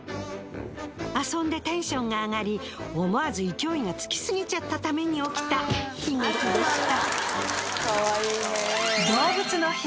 遊んでテンションが上がり思わず勢いがつきすぎちゃったために起きた悲劇でした。